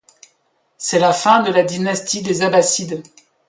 C’est la fin de la dynastie des Abbassides.